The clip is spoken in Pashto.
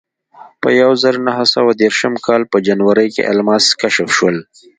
په یوه زرو نهه سوه دېرشم کال په جنورۍ کې الماس کشف شول.